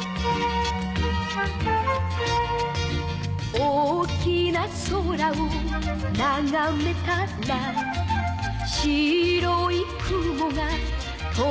「大きな空をながめたら」「白い雲が飛んでいた」